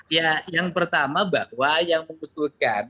ya yang pertama bahwa yang mengusulkan